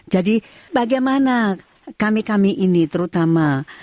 jadi bagaimana kami kami ini terutama